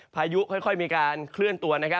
พายุค่อยมีการเคลื่อนตัว